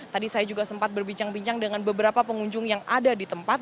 tadi saya juga sempat berbincang bincang dengan beberapa pengunjung yang ada di tempat